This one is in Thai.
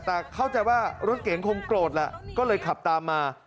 แต่เข้าใจว่ารถเก๋งคงโกรธแหละก็เลยขับตามมา